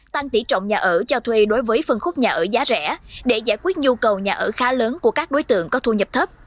tăng tỷ trọng nhà ở cho thuê đối với phân khúc nhà ở giá rẻ để giải quyết nhu cầu nhà ở khá lớn của các đối tượng có thu nhập thấp